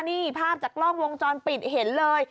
นี่ภาพจากกล้องวงจรปิดเห็นเลย